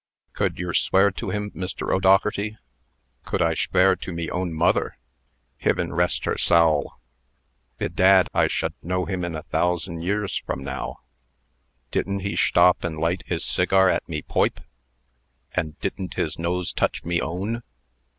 "Could yer swear to him, Mr. O'Dougherty?" "Could I shwear to me own mother? Hivin rest her sowl! Bedad, I shud know him a thousan' years from now. Didn't he shtop and light his siggar at me poipe? And didn't his nose touch me own?"